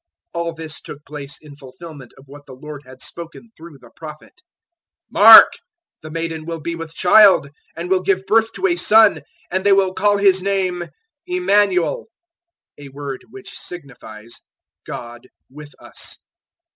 001:022 All this took place in fulfilment of what the Lord had spoken through the Prophet, 001:023 "Mark! The maiden will be with child and will give birth to a son, and they will call His name Immanuel" a word which signifies `God with us'.